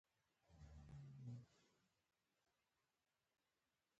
انګور د افغانستان د سیلګرۍ برخه ده.